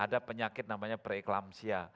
ada penyakit namanya preeklampsia